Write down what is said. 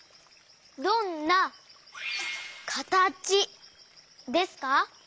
どんなかたちですか？